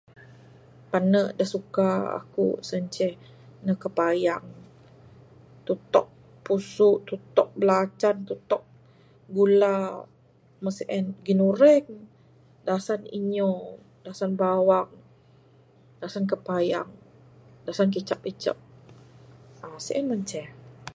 Pane'k da suka aku sien inceh pane'k kepayang. Tutok pusu, tutok bilacan, tutok gula, meh sien, ginureng, dasan Inyo, dasan bawang, dasan kepayang, dasan kicap icek, aaa sien manceh.